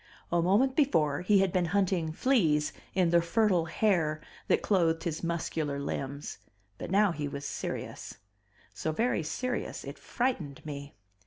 A moment before he had been hunting fleas in the fertile hair that clothed his muscular limbs, but now he was serious; so very serious it frightened me.